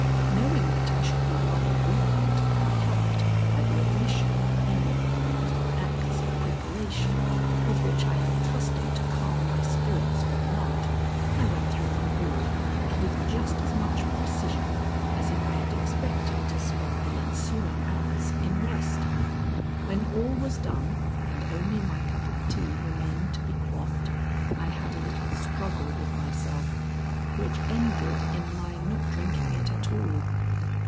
Knowing that I should be rather weakened than helped by the omission of any of the little acts of preparation with which I am accustomed to calm my spirits for the night, I went through them all, with just as much precision as if I had expected to spend the ensuing hours in rest. When all was done and only my cup of tea remained to be quaffed, I had a little struggle with myself, which ended in my not drinking it at all.